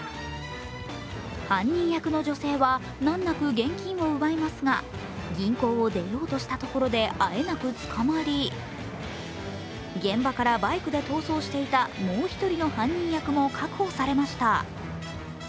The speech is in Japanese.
犯人役の女性はなんなく現金を奪いますが、銀行を出ようとしたところであえなく捕まり現場からバイクで逃走していたもう一人の犯人役も確保されました。